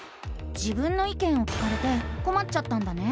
「自分の意見」を聞かれてこまっちゃったんだね？